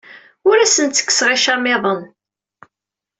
Ur asent-ttekkseɣ icamiḍen.